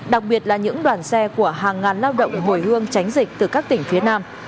đặc biệt là những đoàn xe của hàng ngàn lao động hồi hương tránh dịch từ các tỉnh phía nam